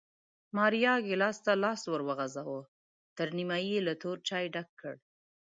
ماریا ګېلاس ته لاس ور وغځاوه، تر نیمایي یې له تور چای ډک کړ